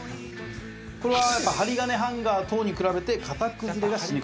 これはやっぱ針金ハンガー等に比べて型崩れがしにくい。